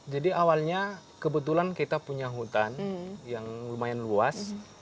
jadi awalnya kebetulan kita punya hutan yang lumayan luas